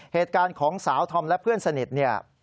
เหตุการณ์ของสาวธอมและเพื่อนสนิทเนี่ย